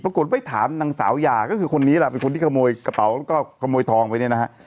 ไปถามนางสาวยาก็คือคนนี้ล่ะเป็นคนที่ขโมยกระเป๋าแล้วก็ขโมยทองไปเนี่ยนะฮะ